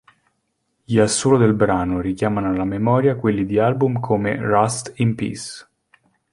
Gli assolo del brano richiamano alla memoria quelli di album come Rust In Peace.